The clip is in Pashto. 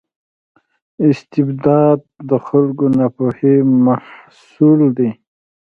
استبداد د خلکو د ناپوهۍ محصول دی.